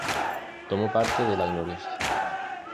Tomó parte de la Gloriosa.